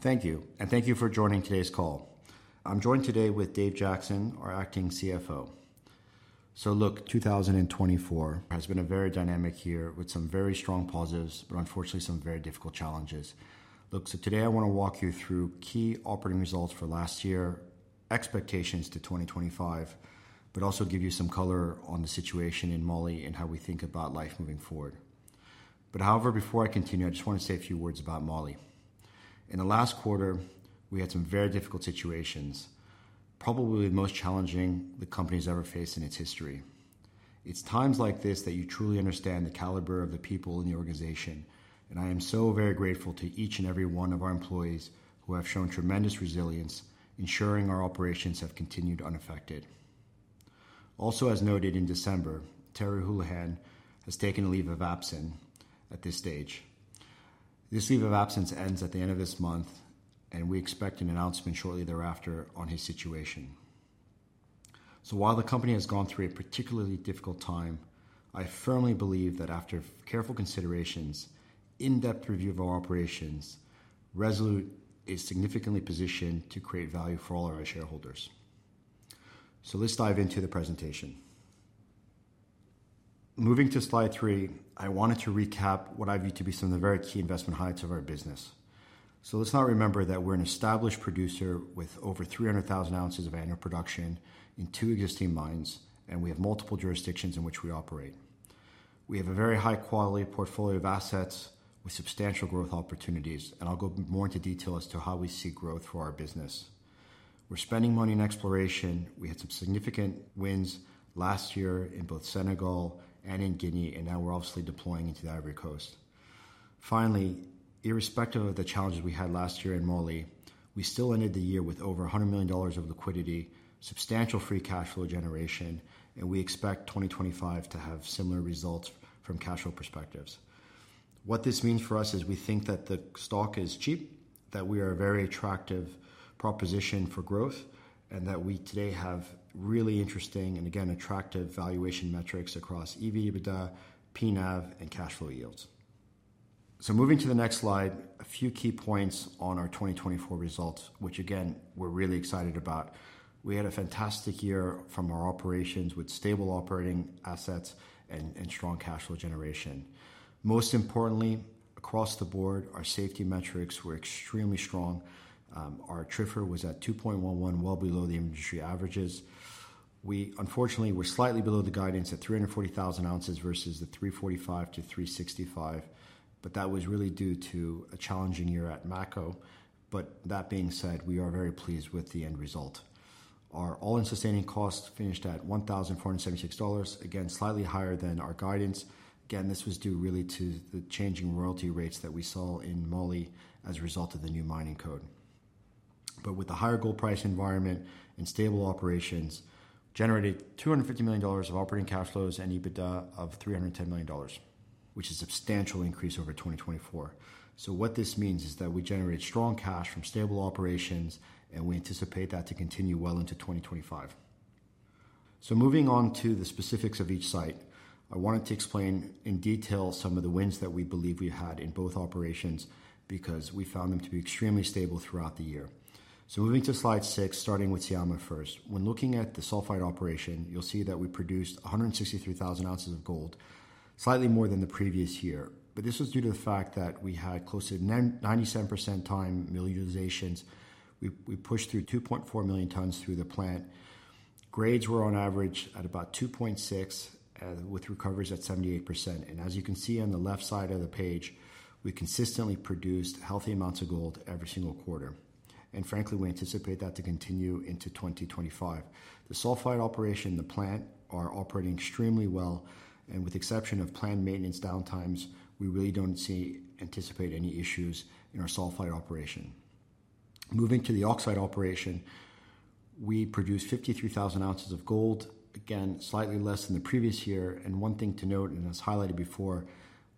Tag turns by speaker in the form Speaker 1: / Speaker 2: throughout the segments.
Speaker 1: Thank you, and thank you for joining today's call. I'm joined today with Dave Jackson, our acting CFO. So look, 2024 has been a very dynamic year with some very strong positives, but unfortunately some very difficult challenges. Look, so today I want to walk you through key operating results for last year, expectations to 2025, but also give you some color on the situation in Mali and how we think about life moving forward. But however, before I continue, I just want to say a few words about Mali. In the last quarter, we had some very difficult situations, probably the most challenging the company has ever faced in its history. It's times like this that you truly understand the caliber of the people in the organization, and I am so very grateful to each and every one of our employees who have shown tremendous resilience, ensuring our operations have continued unaffected. Also, as noted in December, Terry Holohan has taken a leave of absence at this stage. This leave of absence ends at the end of this month, and we expect an announcement shortly thereafter on his situation. So while the company has gone through a particularly difficult time, I firmly believe that after careful considerations, in-depth review of our operations, Resolute is significantly positioned to create value for all of our shareholders. So let's dive into the presentation. Moving to slide three, I wanted to recap what I view to be some of the very key investment highlights of our business. So let's now remember that we're an established producer with over 300,000 ounces of annual production in two existing mines, and we have multiple jurisdictions in which we operate. We have a very high-quality portfolio of assets with substantial growth opportunities, and I'll go more into detail as to how we see growth for our business. We're spending money in exploration. We had some significant wins last year in both Senegal and in Guinea, and now we're obviously deploying into the Ivory Coast. Finally, irrespective of the challenges we had last year in Mali, we still ended the year with over $100 million of liquidity, substantial free cash flow generation, and we expect 2025 to have similar results from cash flow perspectives. What this means for us is we think that the stock is cheap, that we are a very attractive proposition for growth, and that we today have really interesting and again, attractive valuation metrics across EV, dividend, P/NAV, and cash flow yields. So moving to the next slide, a few key points on our 2024 results, which again, we're really excited about. We had a fantastic year from our operations with stable operating assets and strong cash flow generation. Most importantly, across the board, our safety metrics were extremely strong. Our TRIFR was at 2.11, well below the industry averages. We, unfortunately, were slightly below the guidance at 340,000 ounces versus the 345-365, but that was really due to a challenging year at Mako. But that being said, we are very pleased with the end result. Our all-in sustaining costs finished at $1,476, again, slightly higher than our guidance. Again, this was due really to the changing royalty rates that we saw in Mali as a result of the new mining code. But with the higher gold price environment and stable operations, we generated $250 million of operating cash flows and EBITDA of $310 million, which is a substantial increase over 2024. So what this means is that we generate strong cash from stable operations, and we anticipate that to continue well into 2025. So moving on to the specifics of each site, I wanted to explain in detail some of the wins that we believe we had in both operations because we found them to be extremely stable throughout the year. So moving to slide six, starting with Syama first. When looking at the sulfide operation, you'll see that we produced 163,000 ounces of gold, slightly more than the previous year, but this was due to the fact that we had close to 97% time mill utilizations. We pushed through 2.4 million tons through the plant. Grades were on average at about 2.6, with recoveries at 78%, and as you can see on the left side of the page, we consistently produced healthy amounts of gold every single quarter, and frankly, we anticipate that to continue into 2025. The sulfide operation, the plant are operating extremely well, and with the exception of plant maintenance downtimes, we really don't anticipate any issues in our sulfide operation. Moving to the oxide operation, we produced 53,000 ounces of gold, again, slightly less than the previous year. One thing to note, and as highlighted before,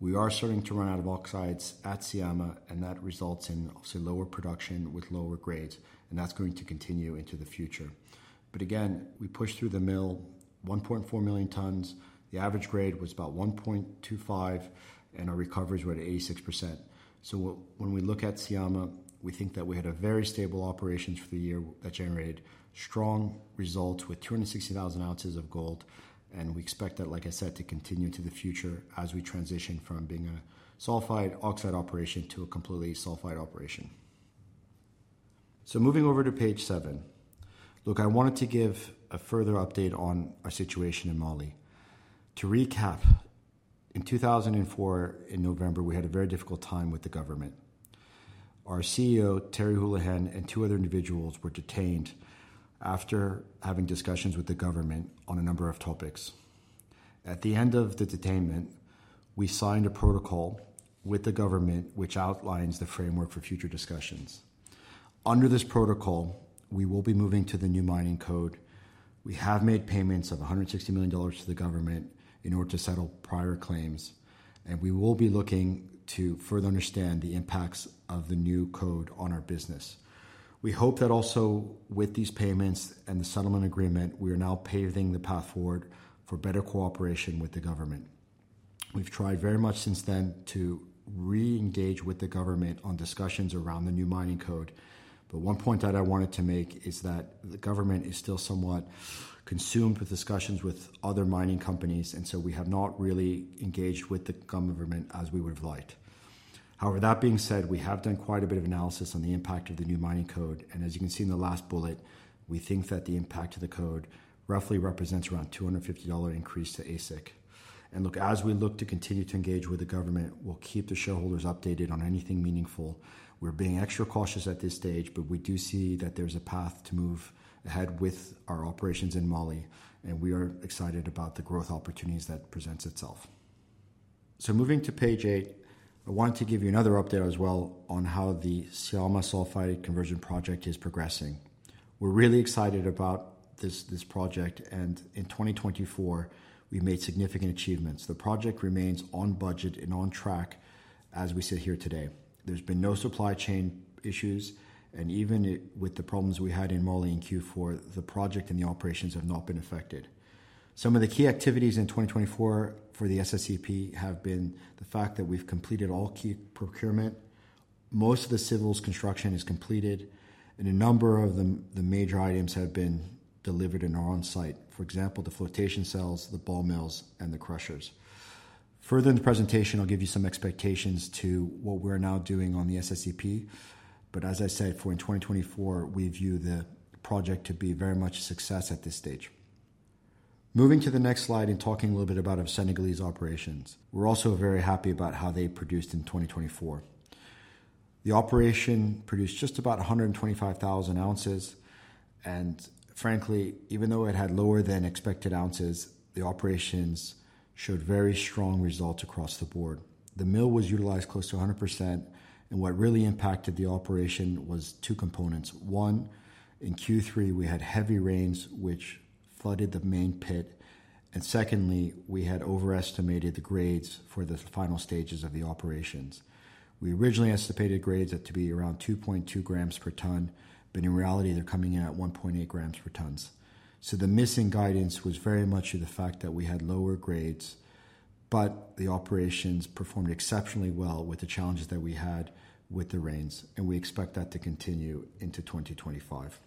Speaker 1: we are starting to run out of oxides at Syama, and that results in obviously lower production with lower grades, and that's going to continue into the future. But again, we pushed through the mill 1.4 million tons. The average grade was about 1.25, and our recoveries were at 86%. So when we look at Syama, we think that we had very stable operations for the year that generated strong results with 260,000 ounces of gold, and we expect that, like I said, to continue into the future as we transition from being a sulfide oxide operation to a completely sulfide operation. Moving over to page seven, look, I wanted to give a further update on our situation in Mali. To recap, in 2004, in November, we had a very difficult time with the government. Our CEO, Terry Holohan, and two other individuals were detained after having discussions with the government on a number of topics. At the end of the detainment, we signed a protocol with the government which outlines the framework for future discussions. Under this protocol, we will be moving to the new mining code. We have made payments of $160 million to the government in order to settle prior claims, and we will be looking to further understand the impacts of the new code on our business. We hope that also with these payments and the settlement agreement, we are now paving the path forward for better cooperation with the government. We've tried very much since then to re-engage with the government on discussions around the new mining code. But one point that I wanted to make is that the government is still somewhat consumed with discussions with other mining companies, and so we have not really engaged with the government as we would have liked. However, that being said, we have done quite a bit of analysis on the impact of the new mining code, and as you can see in the last bullet, we think that the impact of the code roughly represents around a $250 increase to AISC. And look, as we look to continue to engage with the government, we'll keep the shareholders updated on anything meaningful. We're being extra cautious at this stage, but we do see that there's a path to move ahead with our operations in Mali, and we are excited about the growth opportunities that presents itself. Moving to page eight, I wanted to give you another update as well on how the Syama sulfide conversion project is progressing. We're really excited about this project, and in 2024, we made significant achievements. The project remains on budget and on track as we sit here today. There's been no supply chain issues, and even with the problems we had in Mali in Q4, the project and the operations have not been affected. Some of the key activities in 2024 for the SSEP have been the fact that we've completed all key procurement. Most of the civil construction is completed, and a number of the major items have been delivered in our own site. For example, the flotation cells, the ball mills, and the crushers. Further in the presentation, I'll give you some expectations to what we're now doing on the SSEP, but as I said, for 2024, we view the project to be very much a success at this stage. Moving to the next slide and talking a little bit about Senegalese operations, we're also very happy about how they produced in 2024. The operation produced just about 125,000 ounces, and frankly, even though it had lower than expected ounces, the operations showed very strong results across the board. The mill was utilized close to 100%, and what really impacted the operation was two components. One, in Q3, we had heavy rains which flooded the main pit, and secondly, we had overestimated the grades for the final stages of the operations. We originally anticipated grades to be around 2.2 grams per ton, but in reality, they're coming in at 1.8 grams per ton. The missing guidance was very much to the fact that we had lower grades, but the operations performed exceptionally well with the challenges that we had with the rains, and we expect that to continue into 2025.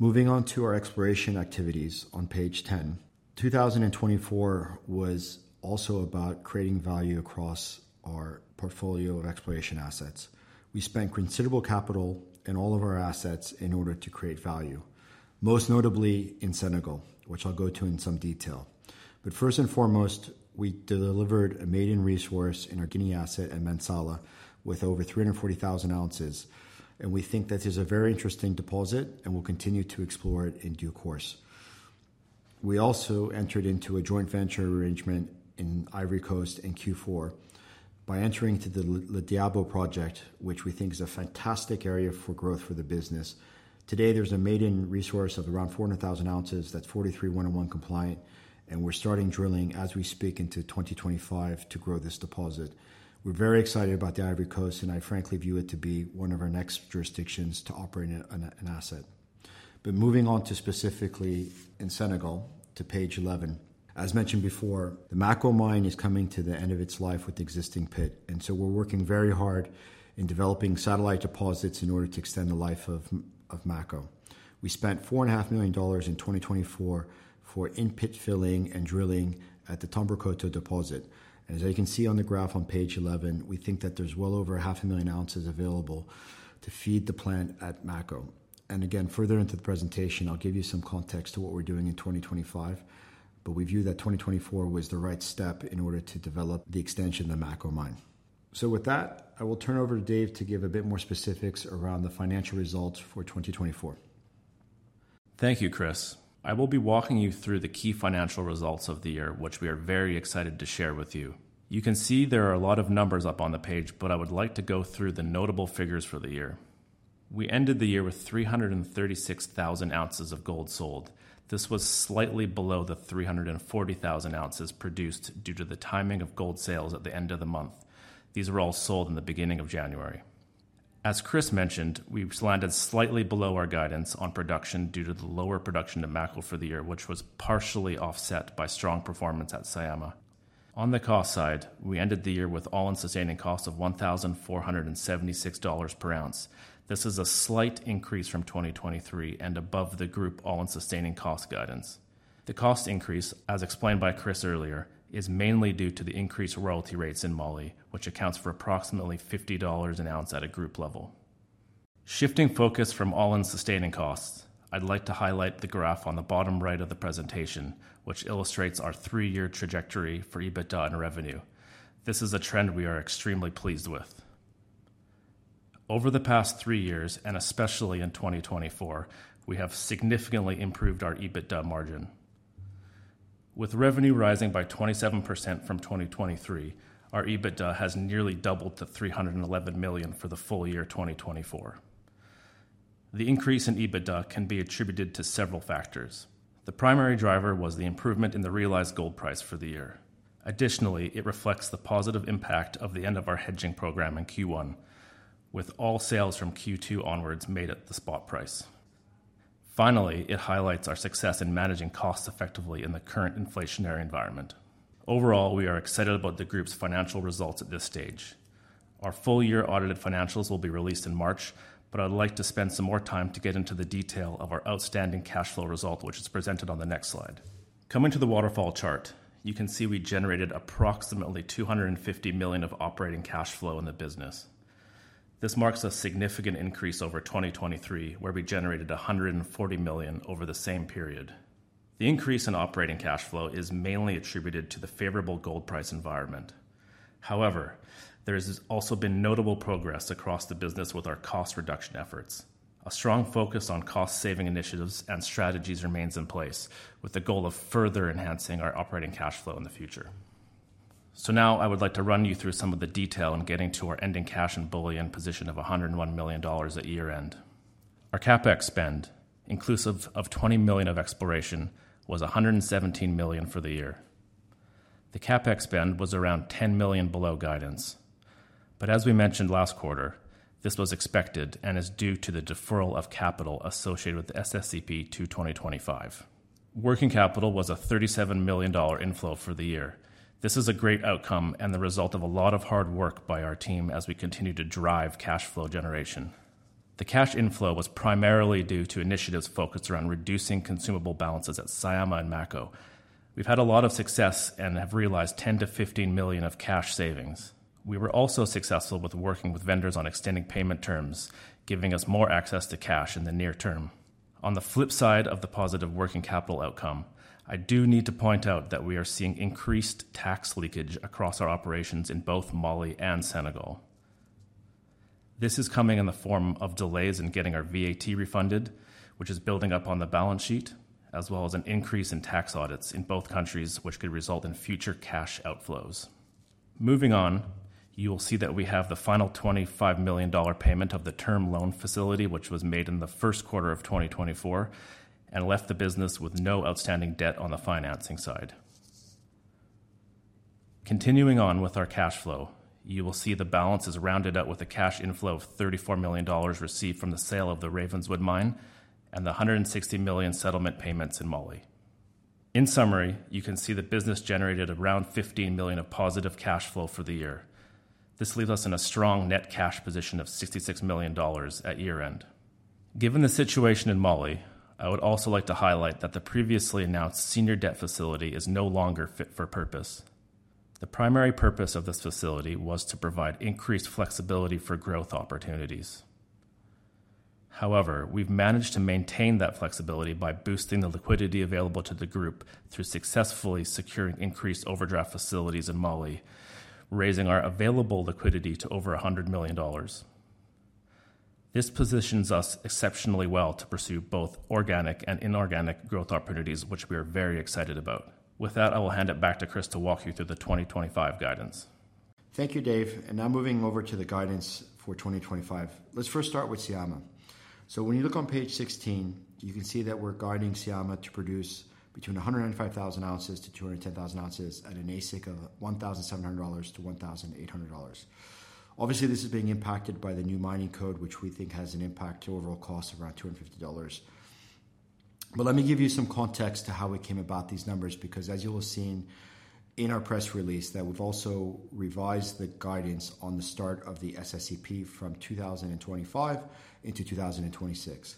Speaker 1: Moving on to our exploration activities on page 10, 2024 was also about creating value across our portfolio of exploration assets. We spent considerable capital in all of our assets in order to create value, most notably in Senegal, which I'll go to in some detail. First and foremost, we delivered a maiden resource in our Guinea asset at Mansala with over 340,000 ounces, and we think that is a very interesting deposit, and we'll continue to explore it in due course. We also entered into a joint venture arrangement in Ivory Coast in Q4 by entering into the Labadou project, which we think is a fantastic area for growth for the business. Today, there's a maiden resource of around 400,000 ounces that's 43-101 compliant, and we're starting drilling as we speak into 2025 to grow this deposit. We're very excited about the Ivory Coast, and I frankly view it to be one of our next jurisdictions to operate an asset. But moving on to specifically in Senegal, to page 11, as mentioned before, the Mako mine is coming to the end of its life with the existing pit, and so we're working very hard in developing satellite deposits in order to extend the life of Mako. We spent $4.5 million in 2024 for in-fill drilling and drilling at the Tomboronkoto deposit. As you can see on the graph on page 11, we think that there's well over 500,000 ounces available to feed the plant at Mako. Again, further into the presentation, I'll give you some context to what we're doing in 2025, but we view that 2024 was the right step in order to develop the extension of the Mako mine. With that, I will turn over to Dave to give a bit more specifics around the financial results for 2024.
Speaker 2: Thank you, Chris. I will be walking you through the key financial results of the year, which we are very excited to share with you. You can see there are a lot of numbers up on the page, but I would like to go through the notable figures for the year. We ended the year with 336,000 ounces of gold sold. This was slightly below the 340,000 ounces produced due to the timing of gold sales at the end of the month. These were all sold in the beginning of January. As Chris mentioned, we've landed slightly below our guidance on production due to the lower production of Mako for the year, which was partially offset by strong performance at Syama. On the cost side, we ended the year with all-in sustaining cost of $1,476 per ounce. This is a slight increase from 2023 and above the group all-in sustaining cost guidance. The cost increase, as explained by Chris earlier, is mainly due to the increased royalty rates in Mali, which accounts for approximately $50 an ounce at a group level. Shifting focus from all-in sustaining costs, I'd like to highlight the graph on the bottom right of the presentation, which illustrates our three-year trajectory for EBITDA and revenue. This is a trend we are extremely pleased with. Over the past three years, and especially in 2024, we have significantly improved our EBITDA margin. With revenue rising by 27% from 2023, our EBITDA has nearly doubled to 311 million for the full year 2024. The increase in EBITDA can be attributed to several factors. The primary driver was the improvement in the realized gold price for the year. Additionally, it reflects the positive impact of the end of our hedging program in Q1, with all sales from Q2 onwards made at the spot price. Finally, it highlights our success in managing costs effectively in the current inflationary environment. Overall, we are excited about the group's financial results at this stage. Our full-year audited financials will be released in March, but I'd like to spend some more time to get into the detail of our outstanding cash flow result, which is presented on the next slide. Coming to the waterfall chart, you can see we generated approximately 250 million of operating cash flow in the business. This marks a significant increase over 2023, where we generated 140 million over the same period. The increase in operating cash flow is mainly attributed to the favorable gold price environment. However, there has also been notable progress across the business with our cost reduction efforts. A strong focus on cost-saving initiatives and strategies remains in place, with the goal of further enhancing our operating cash flow in the future. So now I would like to run you through some of the detail in getting to our ending cash and bullion position of $101 million at year-end. Our CapEx spend, inclusive of $20 million of exploration, was $117 million for the year. The CapEx spend was around $10 million below guidance. But as we mentioned last quarter, this was expected and is due to the deferral of capital associated with SSEP to 2025. Working capital was a $37 million inflow for the year. This is a great outcome and the result of a lot of hard work by our team as we continue to drive cash flow generation. The cash inflow was primarily due to initiatives focused around reducing consumable balances at Syama and Mako. We've had a lot of success and have realized $10-$15 million of cash savings. We were also successful with working with vendors on extending payment terms, giving us more access to cash in the near term. On the flip side of the positive working capital outcome, I do need to point out that we are seeing increased tax leakage across our operations in both Mali and Senegal. This is coming in the form of delays in getting our VAT refunded, which is building up on the balance sheet, as well as an increase in tax audits in both countries, which could result in future cash outflows. Moving on, you will see that we have the final $25 million payment of the term loan facility, which was made in the first quarter of 2024 and left the business with no outstanding debt on the financing side. Continuing on with our cash flow, you will see the balance is rounded out with a cash inflow of $34 million received from the sale of the Ravenswood mine and the $160 million settlement payments in Mali. In summary, you can see the business generated around $15 million of positive cash flow for the year. This leaves us in a strong net cash position of $66 million at year-end. Given the situation in Mali, I would also like to highlight that the previously announced senior debt facility is no longer fit for purpose. The primary purpose of this facility was to provide increased flexibility for growth opportunities. However, we've managed to maintain that flexibility by boosting the liquidity available to the group through successfully securing increased overdraft facilities in Mali, raising our available liquidity to over $100 million. This positions us exceptionally well to pursue both organic and inorganic growth opportunities, which we are very excited about. With that, I will hand it back to Chris to walk you through the 2025 guidance.
Speaker 1: Thank you, Dave. Now moving over to the guidance for 2025, let's first start with Syama. When you look on page 16, you can see that we're guiding Syama to produce between 195,000-210,000 ounces at an AISC of $1,700-$1,800. Obviously, this is being impacted by the new mining code, which we think has an impact to overall cost of around $250. But let me give you some context to how we came about these numbers, because as you will have seen in our press release, that we've also revised the guidance on the start of the SSEP from 2025 into 2026.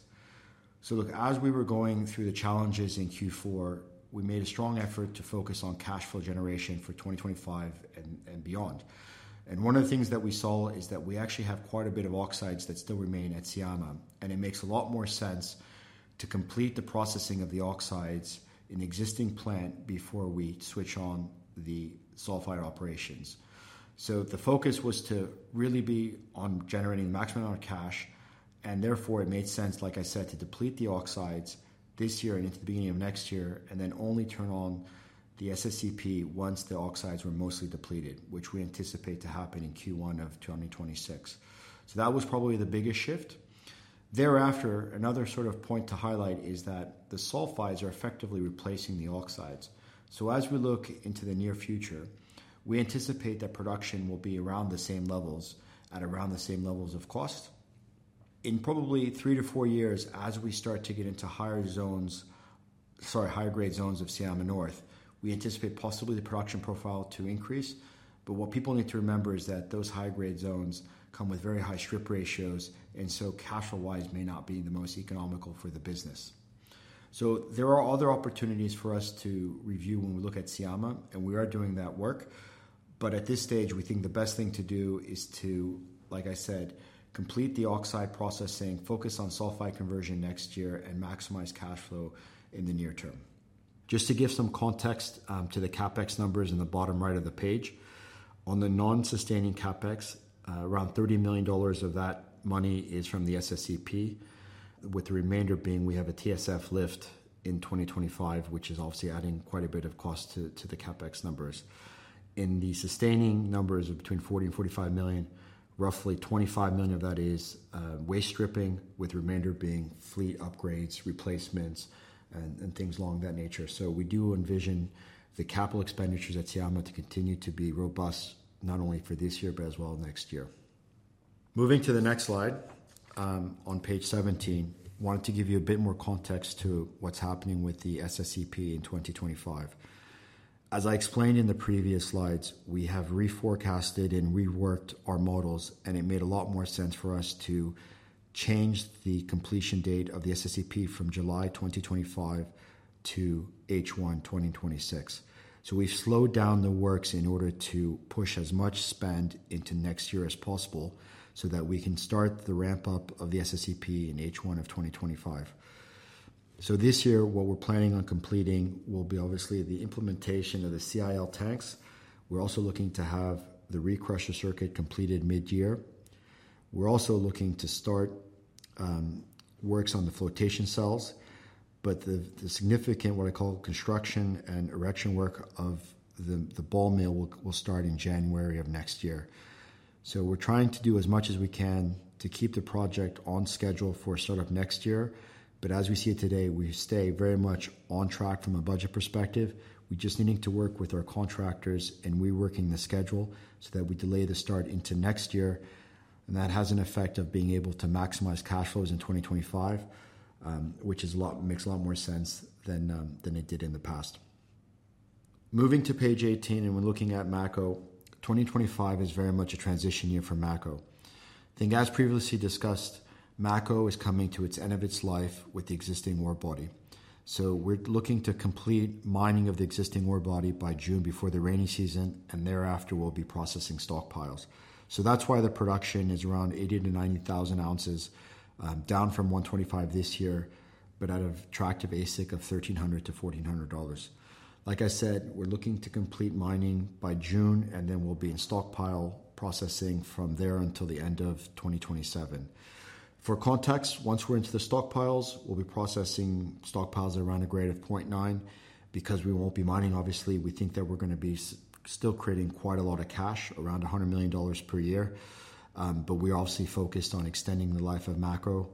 Speaker 1: So look, as we were going through the challenges in Q4, we made a strong effort to focus on cash flow generation for 2025 and beyond. And one of the things that we saw is that we actually have quite a bit of oxides that still remain at Syama, and it makes a lot more sense to complete the processing of the oxides in the existing plant before we switch on the sulfide operations. So the focus was to really be on generating the maximum amount of cash, and therefore it made sense, like I said, to deplete the oxides this year and into the beginning of next year, and then only turn on the SSEP once the oxides were mostly depleted, which we anticipate to happen in Q1 of 2026. So that was probably the biggest shift. Thereafter, another sort of point to highlight is that the sulfides are effectively replacing the oxides. So as we look into the near future, we anticipate that production will be around the same levels at around the same levels of cost. In probably three to four years, as we start to get into higher zones, sorry, higher grade zones of Syama North, we anticipate possibly the production profile to increase. But what people need to remember is that those high grade zones come with very high strip ratios, and so cash flow-wise may not be the most economical for the business. So there are other opportunities for us to review when we look at Syama, and we are doing that work. But at this stage, we think the best thing to do is to, like I said, complete the oxide processing, focus on sulfide conversion next year, and maximize cash flow in the near term. Just to give some context to the CapEx numbers in the bottom right of the page, on the non-sustaining CapEx, around $30 million of that money is from the SSEP, with the remainder being we have a TSF lift in 2025, which is obviously adding quite a bit of cost to the CapEx numbers. In the sustaining numbers of between $40 million and $45 million, roughly $25 million of that is waste stripping, with the remainder being fleet upgrades, replacements, and things along that nature. So we do envision the capital expenditures at Syama to continue to be robust, not only for this year, but as well next year. Moving to the next slide, on page 17, I wanted to give you a bit more context to what's happening with the SSEP in 2025. As I explained in the previous slides, we have reforecasted and reworked our models, and it made a lot more sense for us to change the completion date of the SSEP from July 2025 to H1 2026. So we've slowed down the works in order to push as much spend into next year as possible so that we can start the ramp-up of the SSEP in H1 of 2025. So this year, what we're planning on completing will be obviously the implementation of the CIL tanks. We're also looking to have the re-crusher circuit completed mid-year. We're also looking to start works on the flotation cells, but the significant, what I call, construction and erection work of the ball mill will start in January of next year. So we're trying to do as much as we can to keep the project on schedule for startup next year. But as we see it today, we stay very much on track from a budget perspective. We just need to work with our contractors and reworking the schedule so that we delay the start into next year. And that has an effect of being able to maximize cash flows in 2025, which makes a lot more sense than it did in the past. Moving to page 18, and we're looking at Mako. 2025 is very much a transition year for Mako. I think, as previously discussed, Mako is coming to its end of its life with the existing ore body. So we're looking to complete mining of the existing ore body by June before the rainy season, and thereafter we'll be processing stockpiles. So that's why the production is around 80-90 thousand ounces, down from 125 this year, but at an attractive AISC of $1,300-$1,400. Like I said, we're looking to complete mining by June, and then we'll be in stockpile processing from there until the end of 2027. For context, once we're into the stockpiles, we'll be processing stockpiles at around a grade of 0.9 because we won't be mining, obviously. We think that we're going to be still creating quite a lot of cash, around $100 million per year. But we're obviously focused on extending the life of Mako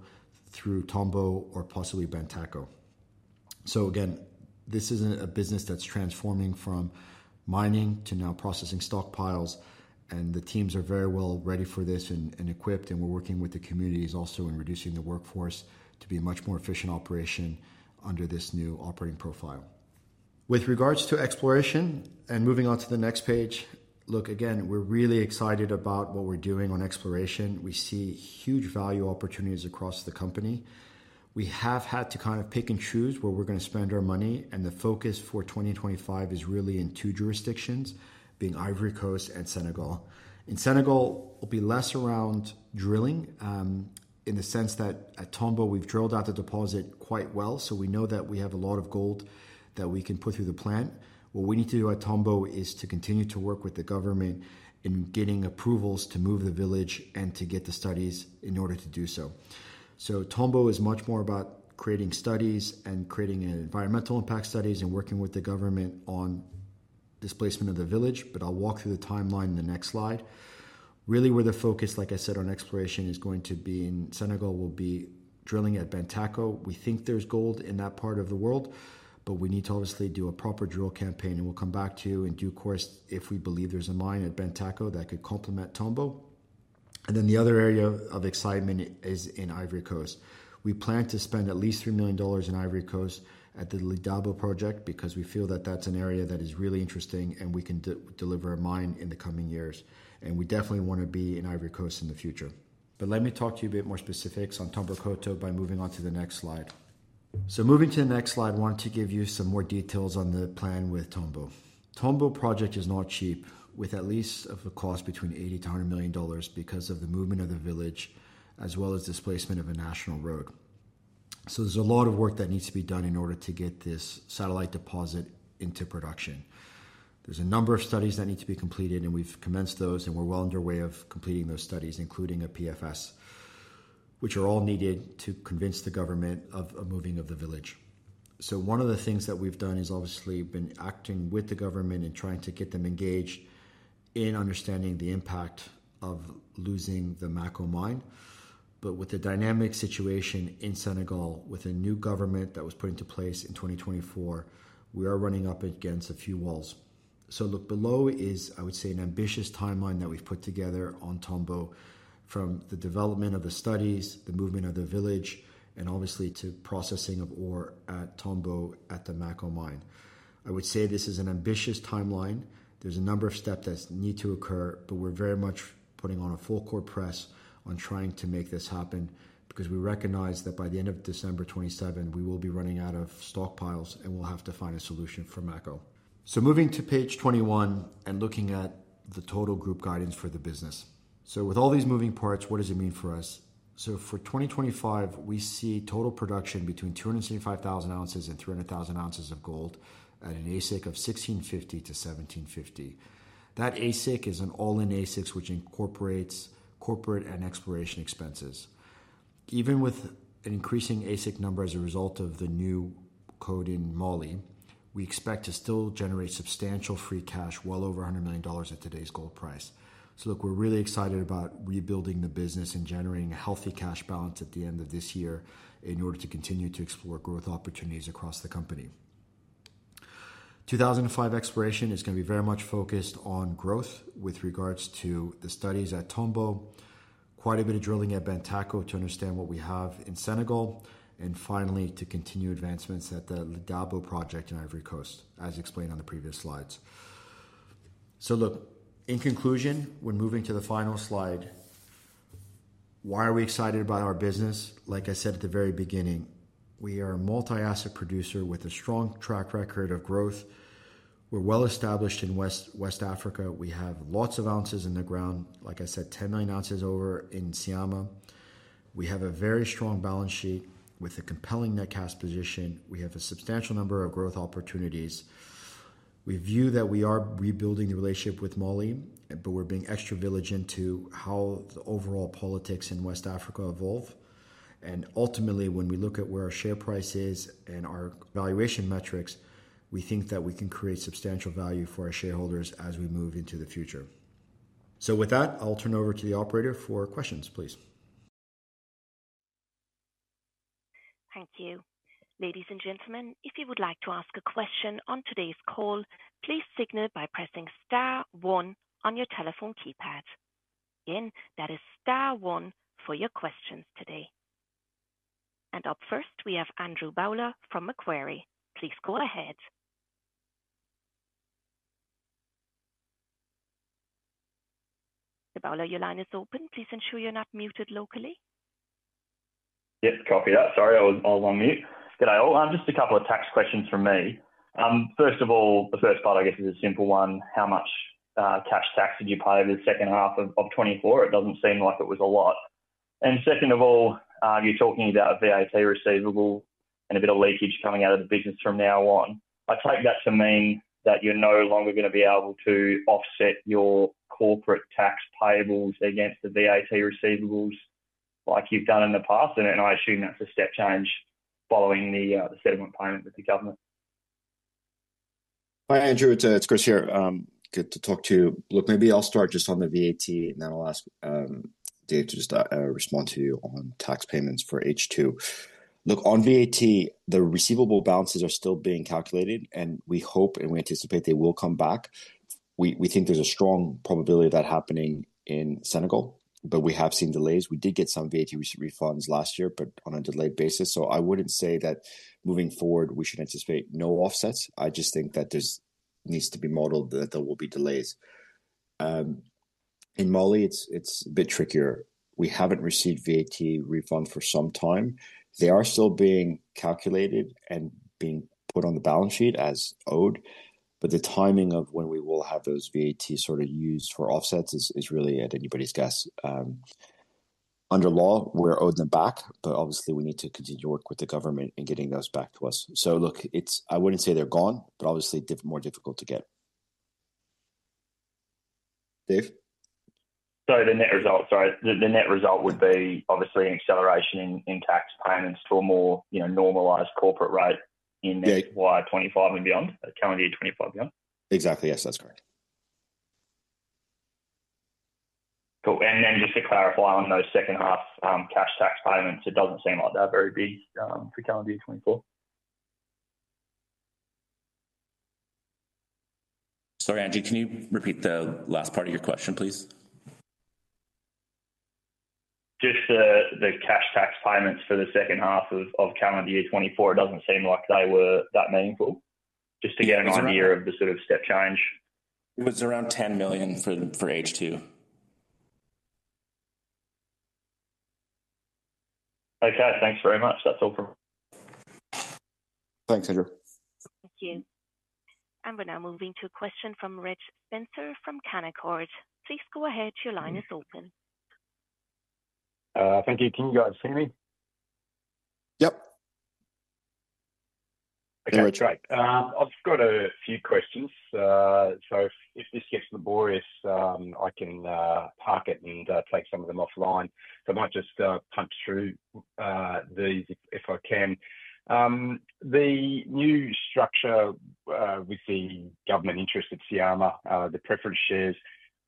Speaker 1: through Tomboronkoto or possibly Bantaco. So again, this isn't a business that's transforming from mining to now processing stockpiles, and the teams are very well ready for this and equipped, and we're working with the communities also in reducing the workforce to be a much more efficient operation under this new operating profile. With regards to exploration and moving on to the next page, look, again, we're really excited about what we're doing on exploration. We see huge value opportunities across the company. We have had to kind of pick and choose where we're going to spend our money, and the focus for 2025 is really in two jurisdictions, being Ivory Coast and Senegal. In Senegal, it'll be less around drilling in the sense that at Tomboronkoto, we've drilled out the deposit quite well, so we know that we have a lot of gold that we can put through the plant. What we need to do at Tomboronkoto is to continue to work with the government in getting approvals to move the village and to get the studies in order to do so. So Tomboronkoto is much more about creating studies and creating environmental impact studies and working with the government on displacement of the village, but I'll walk through the timeline in the next slide. Really, where the focus, like I said, on exploration is going to be in Senegal will be drilling at Bantaco. We think there's gold in that part of the world, but we need to obviously do a proper drill campaign, and we'll come back to you and do a course if we believe there's a mine at Bantaco that could complement Tomboronkoto, and then the other area of excitement is in Ivory Coast. We plan to spend at least $3 million in Ivory Coast at the Labadou project because we feel that that's an area that is really interesting and we can deliver a mine in the coming years, and we definitely want to be in Ivory Coast in the future, but let me talk to you a bit more specifics on Tomboronkoto by moving on to the next slide, so moving to the next slide, I wanted to give you some more details on the plan with Tomboronkoto. Tomboronkoto project is not cheap, with at least a cost between $80-$100 million because of the movement of the village, as well as displacement of a national road. So there's a lot of work that needs to be done in order to get this satellite deposit into production. There's a number of studies that need to be completed, and we've commenced those, and we're well underway of completing those studies, including a PFS, which are all needed to convince the government of a moving of the village. So one of the things that we've done is obviously been acting with the government and trying to get them engaged in understanding the impact of losing the Mako mine. But with the dynamic situation in Senegal, with a new government that was put into place in 2024, we are running up against a few walls. So look, below is, I would say, an ambitious timeline that we've put together on Tomboronkoto from the development of the studies, the movement of the village, and obviously to processing of ore at Tomboronkoto at the Mako mine. I would say this is an ambitious timeline. There's a number of steps that need to occur, but we're very much putting on a full court press on trying to make this happen because we recognize that by the end of December 2027, we will be running out of stockpiles and we'll have to find a solution for Mako. So moving to page 21 and looking at the total group guidance for the business. So with all these moving parts, what does it mean for us? So for 2025, we see total production between 275,000 ounces and 300,000 ounces of gold at an AISC of $1,650-$1,750. That AISC is an all-in AISC which incorporates corporate and exploration expenses. Even with an increasing AISC number as a result of the new code in Mali, we expect to still generate substantial free cash, well over $100 million at today's gold price. So look, we're really excited about rebuilding the business and generating a healthy cash balance at the end of this year in order to continue to explore growth opportunities across the company. 2025 exploration is going to be very much focused on growth with regards to the studies at Tomboronkoto, quite a bit of drilling at Bantaco to understand what we have in Senegal, and finally to continue advancements at the Labadou project in Ivory Coast, as explained on the previous slides. So look, in conclusion, we're moving to the final slide. Why are we excited about our business? Like I said at the very beginning, we are a multi-asset producer with a strong track record of growth. We're well established in West Africa. We have lots of ounces in the ground, like I said, 10 million ounces over in Syama. We have a very strong balance sheet with a compelling net cash position. We have a substantial number of growth opportunities. We view that we are rebuilding the relationship with Mali, but we're being extra diligent to how the overall politics in West Africa evolve, and ultimately, when we look at where our share price is and our valuation metrics, we think that we can create substantial value for our shareholders as we move into the future, so with that, I'll turn over to the operator for questions, please.
Speaker 3: Thank you. Ladies and gentlemen, if you would like to ask a question on today's call, please signal by pressing star one on your telephone keypad. Again, that is star one for your questions today. And up first, we have Andrew Bowler from Macquarie. Please go ahead. Mr. Bowler, your line is open. Please ensure you're not muted locally.
Speaker 4: Yes, copy that. Sorry, I was on mute. Good day. Just a couple of tax questions from me. First of all, the first part, I guess, is a simple one. How much cash tax did you pay over the second half of 2024? It doesn't seem like it was a lot. And second of all, you're talking about VAT receivable and a bit of leakage coming out of the business from now on. I take that to mean that you're no longer going to be able to offset your corporate tax payables against the VAT receivables like you've done in the past? And I assume that's a step change following the settlement payment with the government.
Speaker 1: Hi, Andrew, it's Chris here. Good to talk to you. Look, maybe I'll start just on the VAT, and then I'll ask Dave to just respond to you on tax payments for H2. Look, on VAT, the receivable balances are still being calculated, and we hope and we anticipate they will come back. We think there's a strong probability of that happening in Senegal, but we have seen delays. We did get some VAT refunds last year, but on a delayed basis. So I wouldn't say that moving forward, we should anticipate no offsets. I just think that there needs to be modeled that there will be delays. In Mali, it's a bit trickier. We haven't received VAT refunds for some time. They are still being calculated and being put on the balance sheet as owed, but the timing of when we will have those VAT sort of used for offsets is really at anybody's guess. Under law, we're owed them back, but obviously, we need to continue to work with the government in getting those back to us. So look, I wouldn't say they're gone, but obviously more difficult to get. Dave?
Speaker 4: So the net result, sorry, the net result would be obviously an acceleration in tax payments to a more normalized corporate rate in 2025 and beyond, calendar year 2025 and beyond.
Speaker 1: Exactly, yes, that's correct.
Speaker 4: Cool. And then just to clarify on those second half cash tax payments, it doesn't seem like they're very big for calendar year 2024.
Speaker 2: Sorry, Andrew, can you repeat the last part of your question, please?
Speaker 4: Just the cash tax payments for the second half of calendar year 2024, it doesn't seem like they were that meaningful. Just to get an idea of the sort of step change.
Speaker 2: It was around $10 million for H2.
Speaker 4: Okay, thanks very much. That's all for.
Speaker 1: Thanks, Andrew.
Speaker 3: Thank you. And we're now moving to a question from Reg Spencer from Canaccord. Please go ahead. Your line is open.
Speaker 5: Thank you. Can you guys see me?
Speaker 1: Yep.
Speaker 5: Okay, that's right. I've got a few questions. So if this gets laborious, I can park it and take some of them offline. So I might just punch through these if I can. The new structure with the government interest at Syama, the preference shares,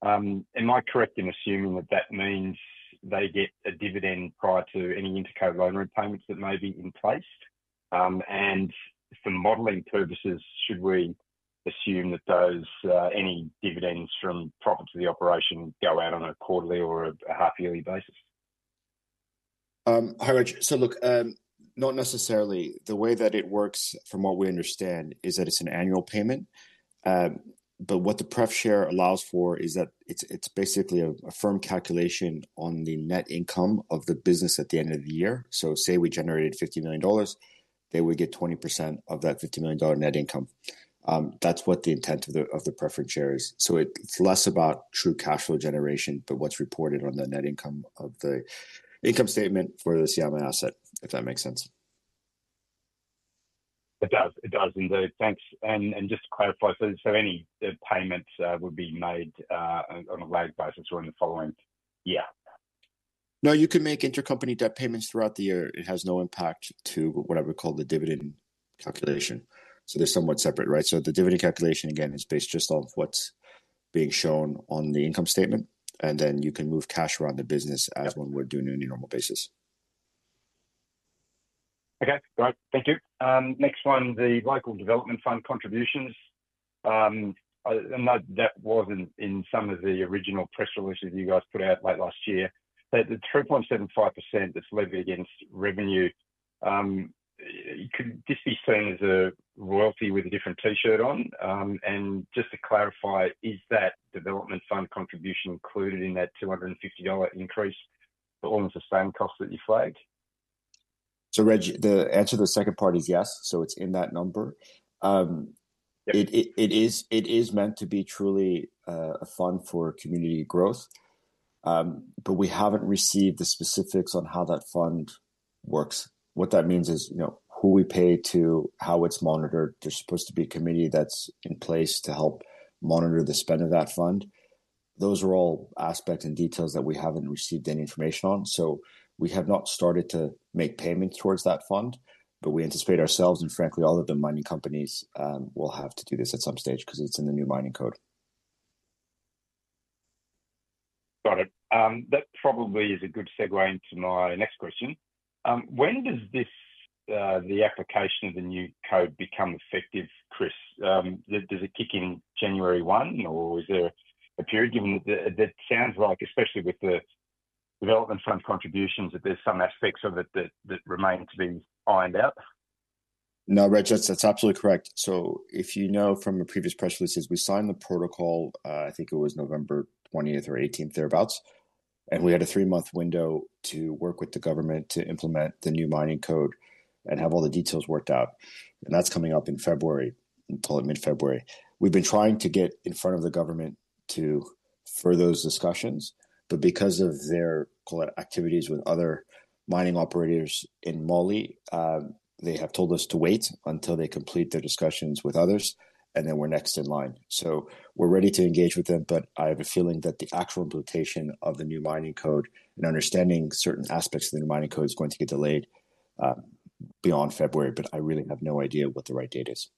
Speaker 5: am I correct in assuming that that means they get a dividend prior to any intercompany loan repayments that may be in place? And for modeling purposes, should we assume that any dividends from profits of the operation go out on a quarterly or a half-yearly basis?
Speaker 1: Hi, Reg. So look, not necessarily. The way that it works, from what we understand, is that it's an annual payment. But what the pref share allows for is that it's basically a firm calculation on the net income of the business at the end of the year. So say we generated $50 million, they would get 20% of that $50 million net income. That's what the intent of the preference share is. So it's less about true cash flow generation, but what's reported on the net income of the income statement for the Syama asset, if that makes sense.
Speaker 5: It does. It does. And thanks. And just to clarify, so any payments would be made on a lagged basis or in the following year?
Speaker 1: No, you can make intercompany debt payments throughout the year. It has no impact to what I would call the dividend calculation. So they're somewhat separate, right So the dividend calculation, again, is based just on what's being shown on the income statement, and then you can move cash around the business as when we're doing it on a normal basis.
Speaker 5: Okay, great. Thank you. Next one, the local development fund contributions. I know that was in some of the original press releases you guys put out late last year. The 3.75% that's levied against revenue, could this be seen as a royalty with a different T-shirt on? And just to clarify, is that development fund contribution included in that $250 increase for almost the same cost that you flagged?
Speaker 1: So Reg, the answer to the second part is yes. So it's in that number. It is meant to be truly a fund for community growth, but we haven't received the specifics on how that fund works. What that means is who we pay to, how it's monitored. There's supposed to be a committee that's in place to help monitor the spend of that fund. Those are all aspects and details that we haven't received any information on. So we have not started to make payments towards that fund, but we anticipate ourselves and, frankly, all of the mining companies will have to do this at some stage because it's in the new mining code.
Speaker 5: Got it. That probably is a good segue into my next question. When does the application of the new code become effective, Chris? Does it kick in January 1, or is there a period given that it sounds like, especially with the development fund contributions, that there's some aspects of it that remain to be ironed out?
Speaker 1: No, Reg, that's absolutely correct. So, you know from a previous press release, as we signed the protocol, I think it was November 20th or 18th, thereabouts, and we had a three-month window to work with the government to implement the new mining code and have all the details worked out. And that's coming up in February, until mid-February. We've been trying to get in front of the government for those discussions, but because of their activities with other mining operators in Mali, they have told us to wait until they complete their discussions with others, and then we're next in line. We're ready to engage with them, but I have a feeling that the actual implementation of the new mining code and understanding certain aspects of the new mining code is going to get delayed beyond February, but I really have no idea what the right date is.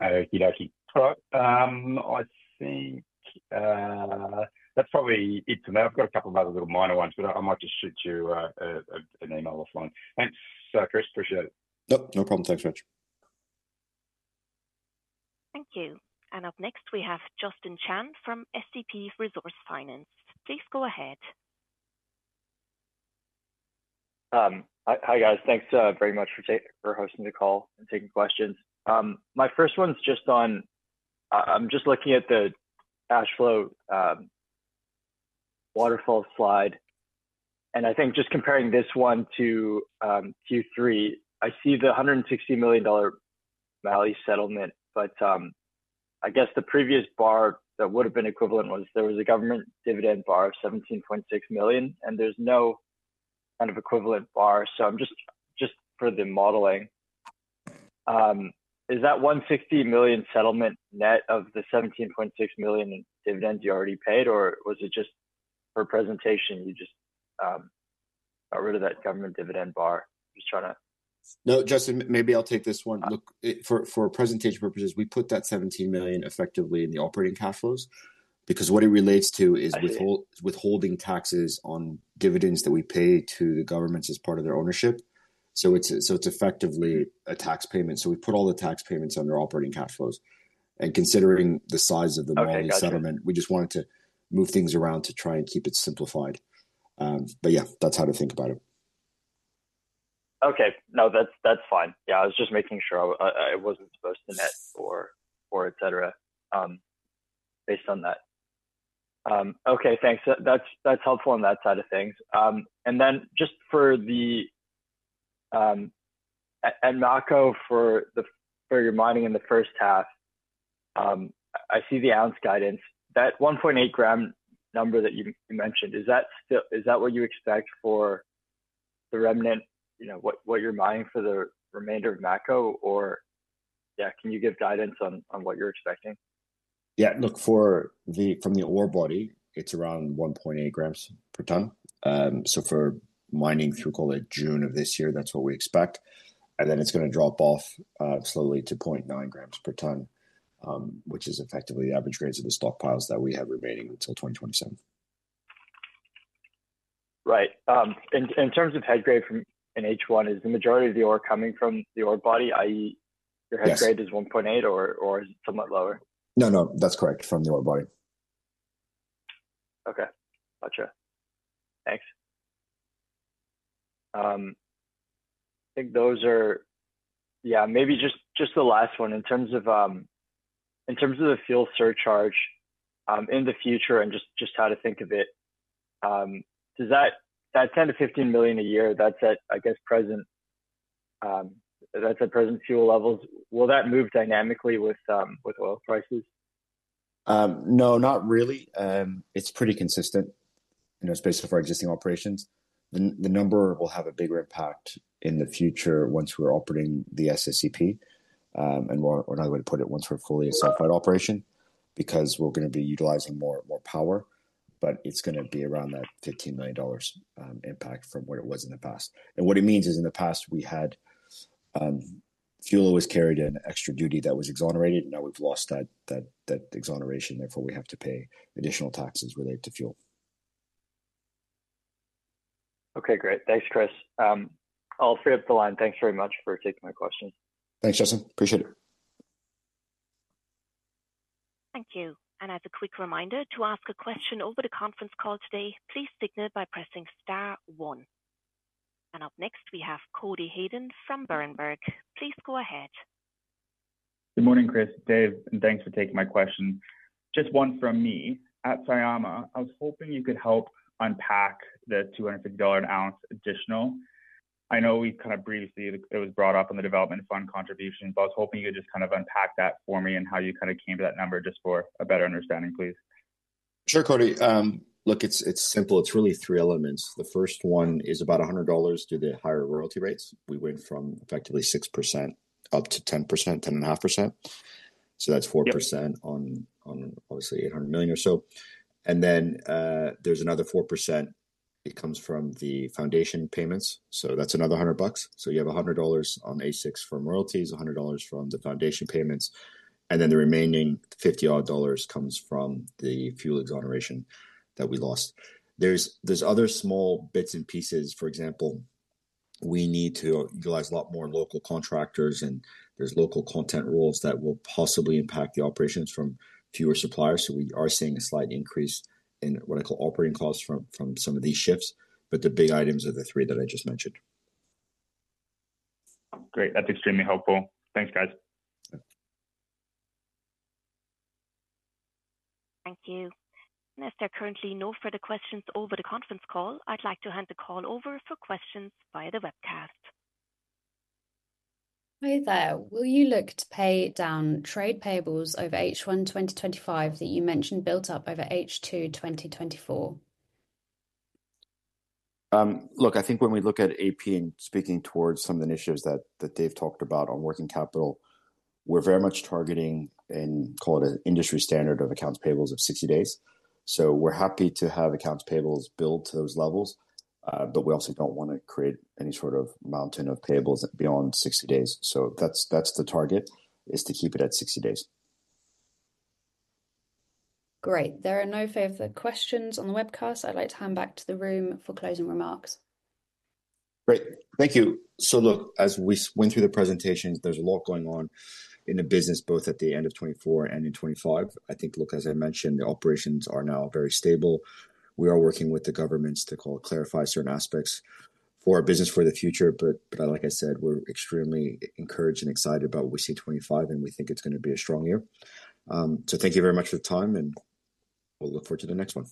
Speaker 5: Hey, you're actually correct. I think that's probably it for me. I've got a couple of other little minor ones, but I might just shoot you an email offline. Thanks, Chris. Appreciate it.
Speaker 1: Yep, no problem. Thanks, Reg.
Speaker 3: Thank you. And up next, we have Justin Chan from SCP Resource Finance. Please go ahead.
Speaker 6: Hi, guys. Thanks very much for hosting the call and taking questions. My first one's just on. I'm just looking at the cash flow waterfall slide. And I think just comparing this one to Q3, I see the $160 million Mali settlement, but I guess the previous bar that would have been equivalent was there a government dividend bar of $17.6 million, and there's no kind of equivalent bar. So just for the modeling, is that $150 million settlement net of the $17.6 million dividends you already paid, or was it just for presentation you just got rid of that government dividend bar? Just trying to.
Speaker 1: No, Justin, maybe I'll take this one. Look, for presentation purposes, we put that $17 million effectively in the operating cash flows because what it relates to is withholding taxes on dividends that we pay to the governments as part of their ownership. So it's effectively a tax payment. So we put all the tax payments under operating cash flows. And considering the size of the Mali settlement, we just wanted to move things around to try and keep it simplified. But yeah, that's how to think about it.
Speaker 6: Okay. No, that's fine. Yeah, I was just making sure it wasn't supposed to net or etc. based on that. Okay, thanks. That's helpful on that side of things. And then just for the Mako, for your mining in the first half, I see the ounce guidance. That 1.8 gram number that you mentioned, is that what you expect for the remnant, what you're mining for the remainder of Mako, or yeah, can you give guidance on what you're expecting?
Speaker 1: Yeah, look, from the ore body, it's around 1.8 grams per ton. So for mining through, call it, June of this year, that's what we expect. And then it's going to drop off slowly to 0.9 grams per ton, which is effectively the average grades of the stockpiles that we have remaining until 2027.
Speaker 6: Right. And in terms of head grade from an H1, is the majority of the ore coming from the ore body, i.e., your head grade is 1.8 or somewhat lower?
Speaker 1: No, no, that's correct. From the ore body.
Speaker 6: Okay. Gotcha. Thanks. I think those are, yeah, maybe just the last one. In terms of the fuel surcharge in the future and just how to think of it, that $10-$15 million a year, that's at, I guess, present fuel levels. Will that move dynamically with oil prices?
Speaker 1: No, not really. It's pretty consistent. It's based off our existing operations. The number will have a bigger impact in the future once we're operating the SSEP, and we're not going to put it once we're fully a self-fired operation because we're going to be utilizing more power, but it's going to be around that $15 million impact from what it was in the past, and what it means is in the past, we had fuel that was carried in extra duty that was exonerated, and now we've lost that exoneration. Therefore, we have to pay additional taxes related to fuel.
Speaker 6: Okay, great. Thanks, Chris. I'll stay up the line. Thanks very much for taking my questions.
Speaker 1: Thanks, Justin. Appreciate it.
Speaker 3: Thank you. And as a quick reminder to ask a question over the conference call today, please signal by pressing star one. And up next, we have Cody Hayden from Berenberg. Please go ahead.
Speaker 7: Good morning, Chris. Dave, and thanks for taking my question. Just one from me. At Syama, I was hoping you could help unpack the $250 an ounce additional. I know we kind of briefly it was brought up on the development fund contribution, but I was hoping you could just kind of unpack that for me and how you kind of came to that number just for a better understanding, please.
Speaker 1: Sure, Cody. Look, it's simple. It's really three elements. The first one is about $100 due to higher royalty rates. We went from effectively 6% up to 10%-10.5%. So that's 4% on obviously 800 million or so. And then there's another 4%. It comes from the foundation payments. So that's another $100. So you have $100 on AISC from royalties, $100 from the foundation payments, and then the remaining $50 comes from the fuel exemption that we lost. There's other small bits and pieces. For example, we need to utilize a lot more local contractors, and there's local content rules that will possibly impact the operations from fewer suppliers. So we are seeing a slight increase in what I call operating costs from some of these shifts, but the big items are the three that I just mentioned.
Speaker 7: Great. That's extremely helpful. Thanks, guys.
Speaker 3: Thank you. And if there are currently no further questions over the conference call, I'd like to hand the call over for questions via the webcast.
Speaker 8: Hey there. Will you look to pay down trade payables over H1 2025 that you mentioned built up over H2 2024?
Speaker 1: Look, I think when we look at AP and speaking towards some of the initiatives that Dave talked about on working capital, we're very much targeting in, call it an industry standard of accounts payables of 60 days. So we're happy to have accounts payables built to those levels, but we also don't want to create any sort of mountain of payables beyond 60 days. So that's the target, is to keep it at 60 days.
Speaker 8: Great. There are no further questions on the webcast. I'd like to hand back to the room for closing remarks.
Speaker 1: Great. Thank you. So look, as we went through the presentation, there's a lot going on in the business both at the end of 2024 and in 2025. I think, look, as I mentioned, the operations are now very stable. We are working with the governments to clarify certain aspects for our business for the future, but like I said, we're extremely encouraged and excited about what we see in 2025, and we think it's going to be a strong year. So thank you very much for the time, and we'll look forward to the next one.